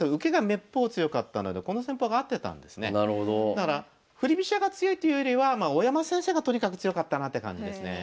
だから振り飛車が強いというよりは大山先生がとにかく強かったなって感じですね。